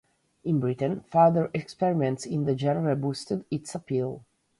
In Britain, further experiments in the genre boosted its appeal.